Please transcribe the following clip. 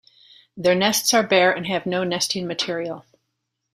Their nests are bare and have no nesting material.